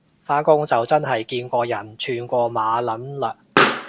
返工就真係見過人串過馬撚嘞